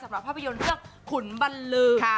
สำหรับภาพยนตร์เรื่องขุนบรรลือ